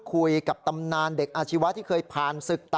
ก็ยังหายใจอยู่นะ